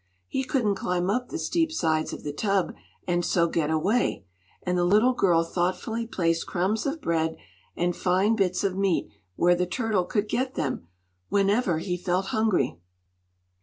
He couldn't climb up the steep sides of the tub and so get away, and the little girl thoughtfully placed crumbs of bread and fine bits of meat, where the turtle could get them whenever he felt hungry.